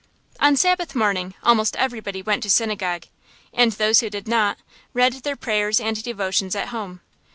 On Sabbath morning almost everybody went to synagogue, and those who did not, read their prayers and devotions at home.